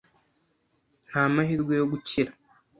Nta mahirwe yo gukira.